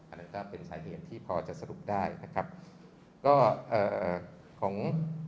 อันนั้นก็เป็นสาเหตุที่พอจะสรุปได้นะครับก็เอ่อของ